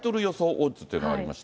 オッズというのがありまして。